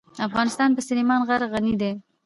افغانستان په سلیمان غر غني دی.